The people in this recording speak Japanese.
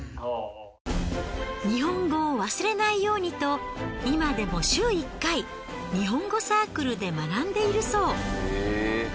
日本語を忘れないようにと今でも週一回日本語サークルで学んでいるそう。